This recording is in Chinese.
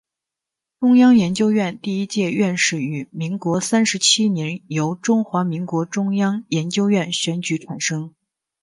中央研究院第一届院士于民国三十七年由中华民国中央研究院选举产生。